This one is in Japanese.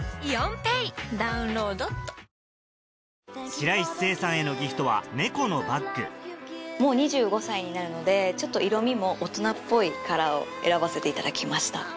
白石聖さんへのギフトはネコのバッグもう２５歳になるのでちょっと色みも大人っぽいカラーを選ばせていただきました。